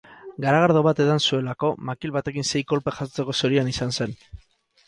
Garagardo bat edan zuelako, makil batekin sei kolpe jasotzeko zorian izan zen.